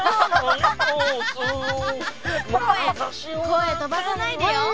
声飛ばさないでよ。